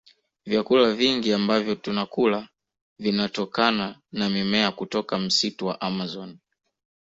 Vyakula vingi ambavyo tunakula vinatokana na mimea kutoka msitu wa amazon